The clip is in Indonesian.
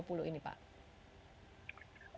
oke tentu yang pertama adalah dampaknya